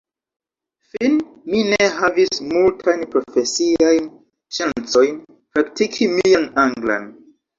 Fine mi ne havis multajn profesiajn ŝancojn praktiki mian anglan.